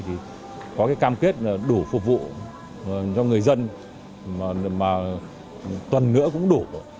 thì có cam kết đủ phục vụ cho người dân tuần nữa cũng đủ